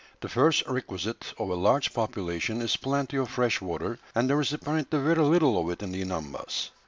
The first requisite of a large population is plenty of fresh water, and there is apparently very little of it in the Anambas.